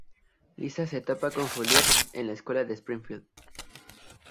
Lisa se topa con Juliet en la Escuela de Springfield.